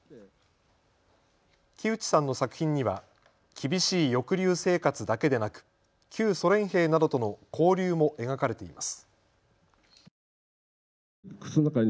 木内さんの作品には厳しい抑留生活だけでなく旧ソ連兵などとの交流も描かれています。